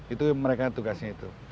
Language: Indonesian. itu mereka tugasnya itu